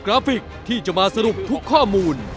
ราฟิกที่จะมาสรุปทุกข้อมูล